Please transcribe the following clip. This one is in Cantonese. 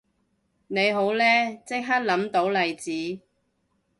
你好叻即刻諗到例子